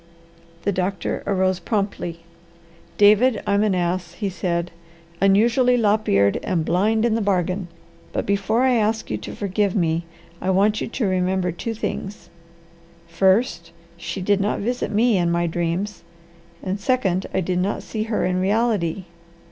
The doctor arose promptly. "David, I'm an ass," he said. "Unusually lop eared, and blind in the bargain. But before I ask you to forgive me, I want you to remember two things: First, she did not visit me in my dreams; and, second, I did not see her in reality.